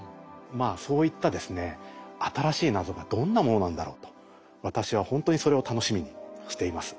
そういったですね新しい謎がどんなものなんだろうと私はほんとにそれを楽しみにしています。